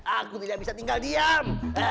aku tidak bisa tinggal diam